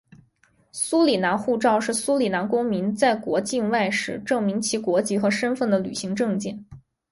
苏里南护照是苏里南公民在国境外时证明其国籍和身份的旅行证件。